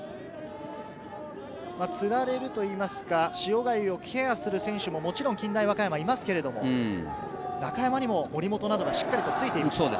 釣られるといいますか、塩貝をケアする選手ももちろん近大和歌山にはいますけれど、中山にも森本などがしっかりついていました。